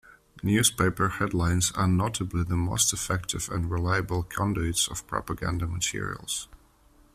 Newspaper headlines are notably the most effective and reliable conduits of propaganda materials.